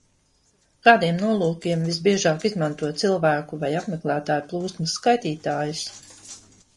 Kādiem nolūkiem visbiežāk izmanto cilvēku vai apmeklētāju plūsmas skaitītājus?